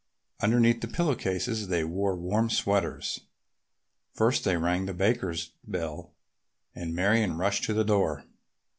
Underneath the pillow cases they wore warm sweaters. First they rang the Bakers' bell and Marion rushed to the door.